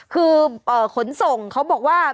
คือขนส่งเขาบอกว่า